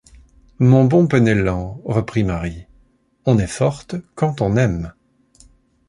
Mon bon Penellan, reprit Marie, on est forte quand on aime !